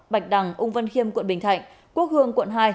bạch đằng úng vân khiêm quận bình thạnh quốc hương quận hai